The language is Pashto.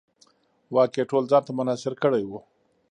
واک یې ټول ځان ته منحصر کړی و.